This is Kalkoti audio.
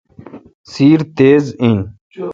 سیر تیز این۔